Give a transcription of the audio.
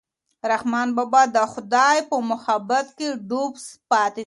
رحمان بابا د خدای په محبت کې ډوب پاتې شو.